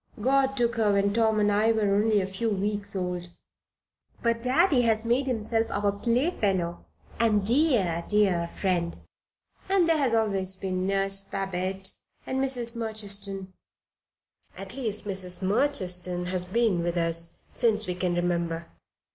God took her when Tom and I were only a few weeks old; but Daddy has made himself our playfellow and dear, dear friend; and there has always been Nurse Babette and Mrs. Murchiston at least, Mrs. Murchiston has been with us since we can remember.